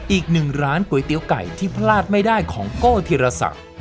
อีกหนึ่งร้านก๋วยเตี๋ยวไก่ที่พลาดไม่ได้ของโก้ธีรศักดิ์